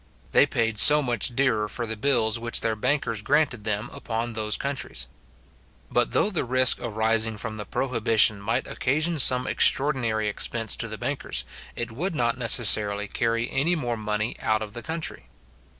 They paid so much dearer for the bills which their bankers granted them upon those countries. But though the risk arising from the prohibition might occasion some extraordinary expense to the bankers, it would not necessarily carry any more money out of the country.